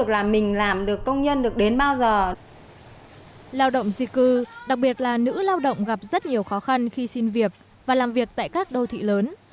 lào động di cư đặc biệt là nữ lao động gặp rất nhiều khó khăn khi xin việc và làm việc tại các đô thị lớn